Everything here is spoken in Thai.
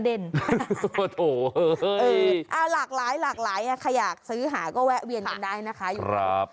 โอ้โหหลากหลายหลากหลายใครอยากซื้อหาก็แวะเวียนกันได้นะคะ